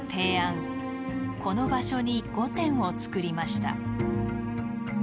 この場所に御殿を造りました。